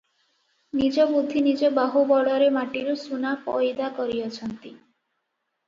ନିଜ ବୁଦ୍ଧି ନିଜ ବାହୁ ବଳରେ ମାଟିରୁ ସୁନା ପଇଦା କରିଅଛନ୍ତି ।